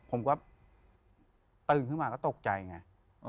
ผมก็ตื่นขึ้นมาก็ตกใจไง